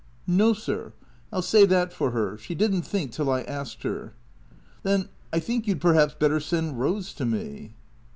"No, sir. I'll say that for her. She didn't think till I arst her." " Then — I think — you 'd perhaps better send Eose to me."